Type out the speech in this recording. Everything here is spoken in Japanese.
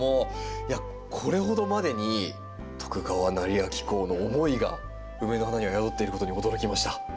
いやこれほどまでに徳川斉昭公の思いがウメの花には宿っていることに驚きました。